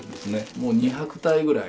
もう２００体ぐらい。